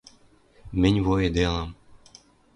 Мӹнь войыделам.